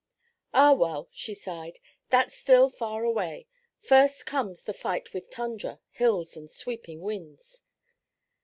"Ah, well," she sighed, "that's still far away. First comes the fight with tundra, hills and sweeping winds."